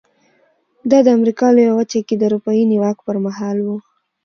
دا د امریکا لویه وچه کې د اروپایي نیواک پر مهال و.